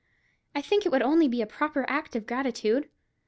I think it would be only a proper act of gratitude.